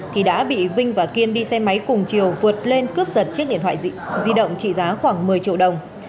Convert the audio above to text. thì đã bị vinh và kiên đi xe máy cùng chiều vượt lên cướp giật chiếc điện thoại di động trị giá khoảng một mươi triệu đồng